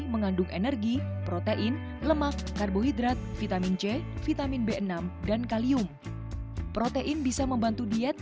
mengandung energi protein lemak karbohidrat vitamin c vitamin b enam dan kalium protein bisa membantu diet